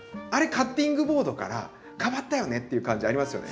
カッティングボードから変わったよね」っていう感じありますよね。